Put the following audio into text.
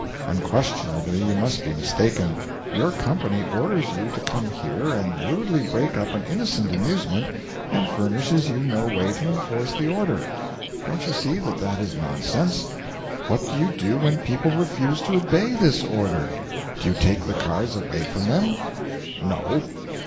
'Unquestionably you must be mistaken. Your company orders you to come here and rudely break up an innocent amusement, and furnishes you no way to enforce the order! Don't you see that that is nonsense? What do you do when people refuse to obey this order? Do you take the cards away from them?' 'No.'